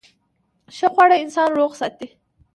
ښه خواړه انسان روغ ساتي.